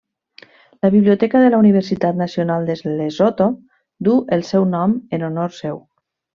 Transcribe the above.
La biblioteca de la Universitat Nacional de Lesotho duu el seu nom en honor seu.